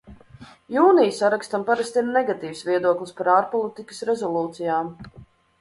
Jūnija sarakstam parasti ir negatīvs viedoklis par ārpolitikas rezolūcijām.